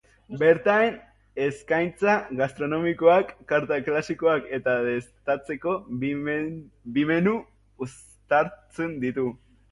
Bertan, eskaintza gastronomikoak karta klasikoa eta dastatzeko bi menu uztartzen ditu.